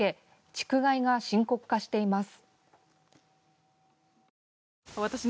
竹害が深刻化しています。